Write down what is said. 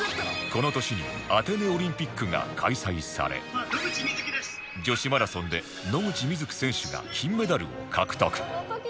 この年にアテネオリンピックが開催され女子マラソンで野口みずき選手が金メダルを獲得